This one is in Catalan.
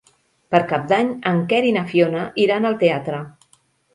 Per Cap d'Any en Quer i na Fiona iran al teatre.